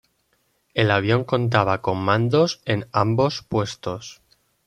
El avión contaba con mandos en ambos puestos.